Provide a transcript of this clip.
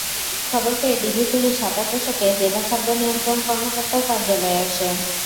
খবর পেয়ে DB police সাদা পোশাকে জেলা খাদ্য নিয়ন্ত্রণ কর্মকর্তার কার্যালয়ে আসে।